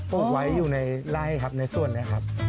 ปลูกไว้อยู่ในไล่ครับในส่วนนี้ครับ